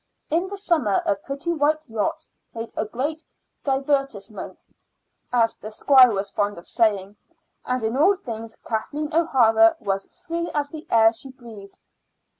In the summer a pretty white yacht made a great "divartisement," as the Squire was fond of saying; and in all things Kathleen O'Hara was free as the air she breathed.